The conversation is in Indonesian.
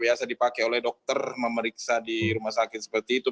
biasa dipakai oleh dokter memeriksa di rumah sakit seperti itu